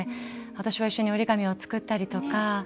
私は一緒に折り紙を作ったりとか。